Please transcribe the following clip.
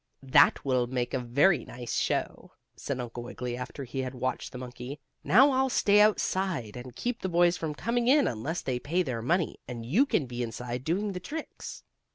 "That will make a very nice show," said Uncle Wiggily after he had watched the monkey. "Now I'll stay outside, and keep the boys from coming in unless they pay their money. And you can be inside, doing the tricks."